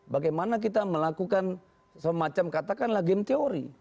bagaimana kita melakukan semacam katakanlah game teori